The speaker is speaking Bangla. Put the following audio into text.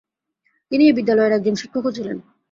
তিনি এই বিদ্যালয়ের একজন শিক্ষকও ছিলেন।